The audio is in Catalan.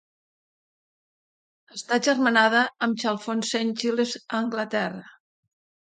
Està agermanada amb Chalfont Saint Giles, a Anglaterra.